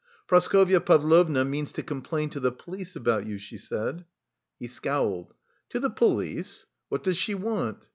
"Praskovya Pavlovna means to complain to the police about you," she said. He scowled. "To the police? What does she want?"